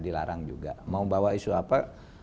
dilarang juga mau bawa isu apa